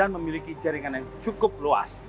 memiliki jaringan yang cukup luas